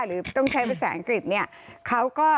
หรือต้องใช้ภาษาอังกฤษเนี่ยเขาก็